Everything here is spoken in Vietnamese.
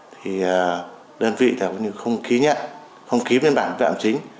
thì đơn vị đã không ký nhận không ký biên bản biên bản chính